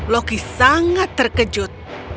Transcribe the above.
loki sangat terkejut